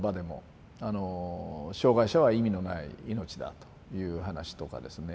障害者は意味のない命だという話とかですね